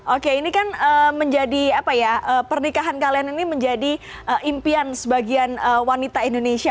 oke ini kan menjadi apa ya pernikahan kalian ini menjadi impian sebagian wanita indonesia